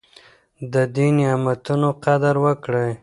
د دې نعمتونو قدر وکړئ.